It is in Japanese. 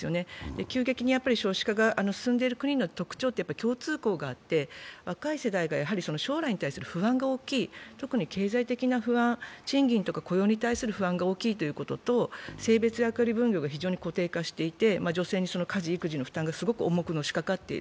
急激に少子化が進んでいる国の特徴というのは共通項があって若い世代が将来に対する不安が大きい、特に経済的な不安、賃金とか雇用に対する不安が大きいということと、性別役割分類が固定化していて女性に家事育児の負担が重くのしかかっている。